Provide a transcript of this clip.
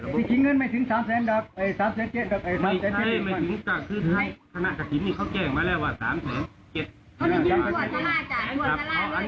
คุยบ้าแล้วมันก็เป็นปัญหานะสินะครับ